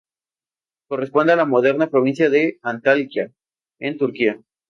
Corresponde a la moderna provincia de Antalya, en Turquía.